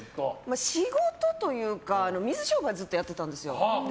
仕事というか水商売をずっとやってたんですよ。